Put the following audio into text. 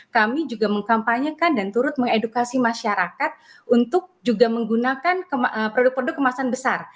kami juga mengkampanyekan dan turut mengedukasi masyarakat untuk juga menggunakan produk produk kemasan besar